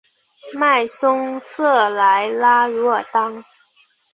迈松瑟莱拉茹尔当。